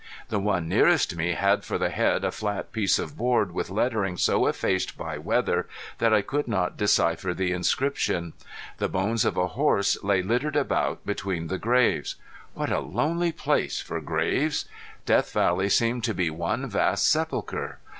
The one nearest me had for the head a flat piece of board, with lettering so effaced by weather that I could not decipher the inscription. The bones of a horse lay littered about between the graves. What a lonely place for graves! Death Valley seemed to be one vast sepulchre.